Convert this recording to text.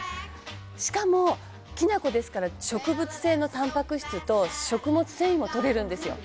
「しかもきな粉ですから植物性のタンパク質と食物繊維もとれるんですよ」